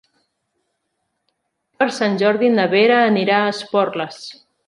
Per Sant Jordi na Vera anirà a Esporles.